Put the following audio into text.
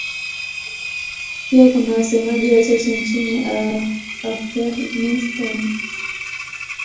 Pia kuna wasemaji wachache nchini Afghanistan.